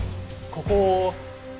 ここ。